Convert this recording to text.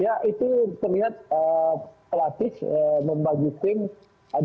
ya itu ternyata pelatih membagi sink